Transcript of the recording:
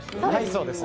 そうです。